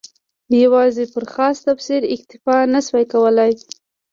یوازې پر خاص تفسیر اکتفا نه شو کولای.